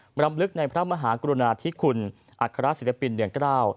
รำลึกในพระมหากรุณาธิคุณอัครศิลปินเดืองเกล้า